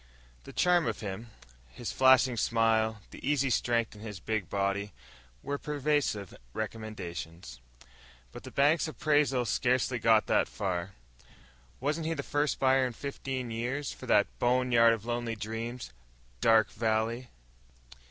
The charm of him, his flashing smile, the easy strength in his big body, were persuasive recommendations. But the bank's appraisal scarcely got that far. Wasn't he the first buyer in fifteen years for that bone yard of lonely dreams, Dark Valley?